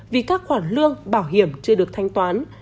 vì các khoản lương bảo hiểm chưa được thanh toán